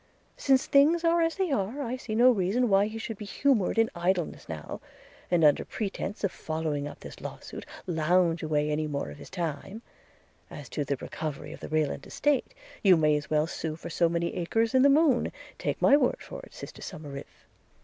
Since things are as they are, I see no reason why he should be humoured in idleness now, and, under pretence of following up this law suit, lounge away any more of his time: as to the recovery of the Rayland estate, you may as well sue for so many acres in the moon; take my word for it, sister Somerive.'